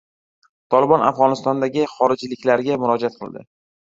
“Tolibon” Afg‘onistondagi xorijliklarga murojaat qildi